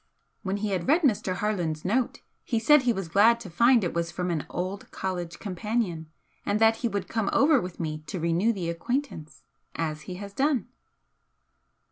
When he had read Mr. Harland's note, he said he was glad to find it was from an old college companion, and that he would come over with me to renew the acquaintance. As he has done."